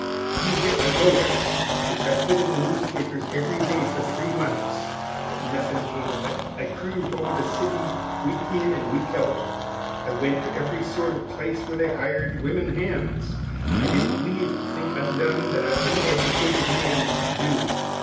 He writ a notice which I put into the newspapers every day for three months; but nothin' come of it. I cruised over the city week in and week out I went to every sort of place where they hired women hands; I didn't leave a think undone that a uneddicated man could do.